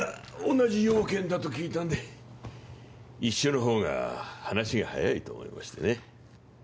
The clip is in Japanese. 同じ用件だと聞いたんで一緒の方が話が早いと思いましてね